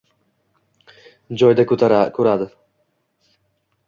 joyda ko‘radi.